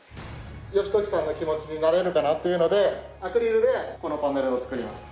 義時さんの気持ちになれるかなというのでアクリルでこのパネルを作りました。